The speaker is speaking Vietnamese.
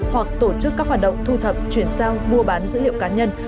hoặc tổ chức các hoạt động thu thập chuyển giao mua bán dữ liệu cá nhân